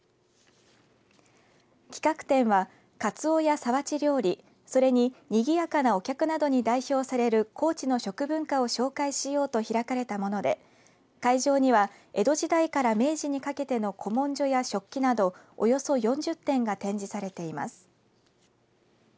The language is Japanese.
企画展は、かつおや皿鉢料理それに、にぎやかなおきゃくなどに代表される高知の食文化を紹介しようと開かれたもので会場には、江戸時代から明治にかけての古文書や食器など、およそ４０点が展示されています。